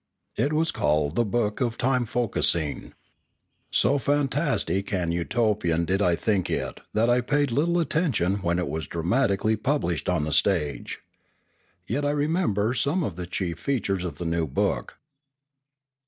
It was called the book of Time focussing. So fantastic and Utopian did I think it that I paid little attention when it was dramatically pub lished on the stage. Yet I remember some of the chief features of the new book.